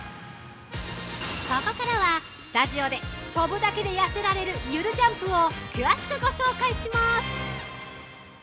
◆ここからはスタジオで跳ぶだけで痩せられるゆるジャンプを詳しくご紹介します。